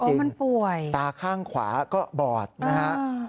มันป่วยตาข้างขวาก็บอดนะครับ